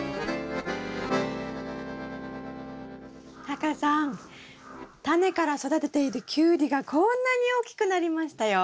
タカさんタネから育てているキュウリがこんなに大きくなりましたよ。